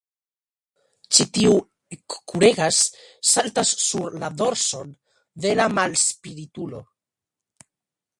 Ĉi tiu ekkuregas, saltas sur la dorson de la malspritulo.